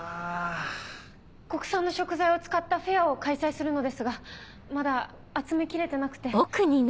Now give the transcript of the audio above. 国産の食材を使ったフェアを開催するのですがまだ集めきれてなくて。